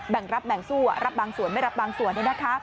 งรับแบ่งสู้รับบางส่วนไม่รับบางส่วน